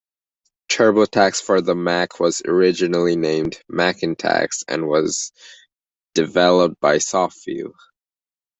TurboTax for the Mac was originally named MacinTax, and was developed by SoftView.